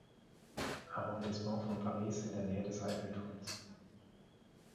Arrondissement von Paris in der Nähe des Eiffelturms.